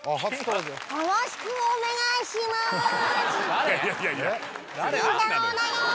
よろしくお願いしまーす・誰？